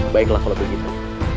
baiklah kalau begitu